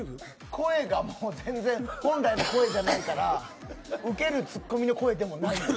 声はもう全然本来の声じゃないからウケるツッコミの声でもない。